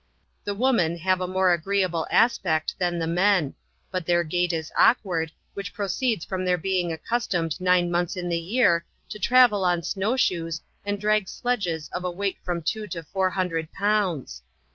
The woman have a more agreeable aspect than the men; but their gait is awkward, which proceeds from their being accustomed nine months in the year, to travel on snow shoes and drag sledges of a weight from two to four hundred pounds.